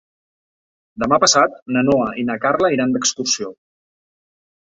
Demà passat na Noa i na Carla iran d'excursió.